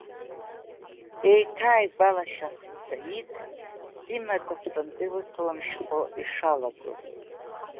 Еиҭааигәалашәахт Саид, Сима аҵыхәтәантәи лысалам шәҟәы ишалагоз.